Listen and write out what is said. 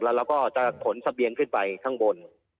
แล้วก็จะผลเสียงขึ้นไปข้างบน